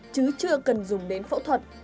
chứ chưa cần dùng đến phẫu thuật